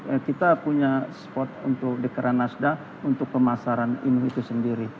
ini kita punya spot untuk dekra nasdaq untuk pemasaran itu sendiri